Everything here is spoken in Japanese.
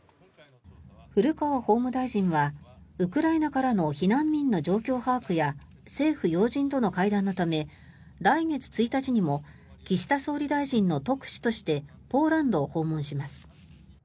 古川法務大臣はウクライナからの避難民の状況把握や政府要人との会談のため来月１日にも岸田総理大臣の特使としてポーランドを訪問します。